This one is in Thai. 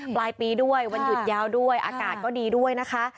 ปลายปีด้วยวันหยุดยาวด้วยอากาศก็ดีด้วยนะคะ